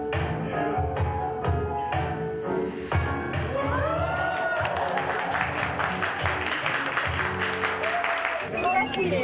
すばらしいです。